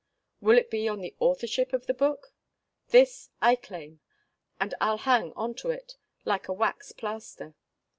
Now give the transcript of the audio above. Will it be on the authorship of the book? this I claim, and I'll hang on to it, like a wax plaster.